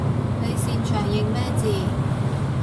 你擅長認咩字？